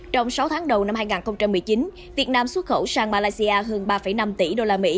trong sáu tháng đầu năm hai nghìn một mươi chín việt nam xuất khẩu sang malaysia hơn ba năm tỷ usd